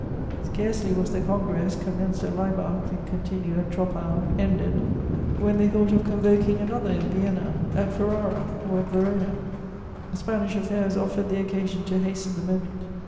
Scarcely was the Congress, commenced at Laibach and continued at Troppau, ended, when they thought of convoking another in Vienna, at Ferrara, or at Verona; Spanish affairs offered the occasion to hasten the moment.